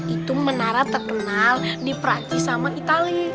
itu menara terkenal di perancis sama itali